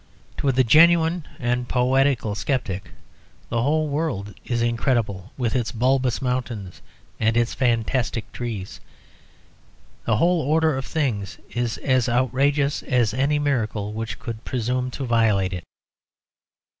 To the genuine and poetical sceptic the whole world is incredible, with its bulbous mountains and its fantastic trees. The whole order of things is as outrageous as any miracle which could presume to violate it.